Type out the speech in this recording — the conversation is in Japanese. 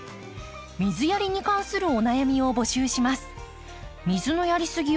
水やりに関するお悩みを募集します。